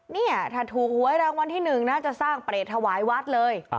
เนี่ยถ้าถูกหวยรางวัลที่๑นะจะสร้างเปรตถวายวัดเลย